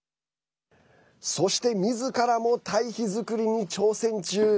そして、みずからも堆肥作りに挑戦中。